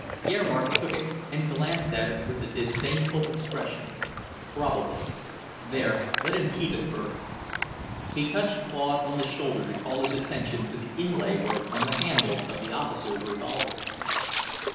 Gerhardt took it and glanced at it with a disdainful expression. "Probably. There, let him keep it, Bert." He touched Claude on the shoulder to call his attention to the inlay work on the handle of the officer's revolver.